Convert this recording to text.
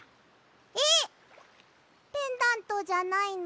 えっペンダントじゃないの？